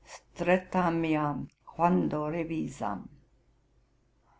Streathamiam quando revisam?'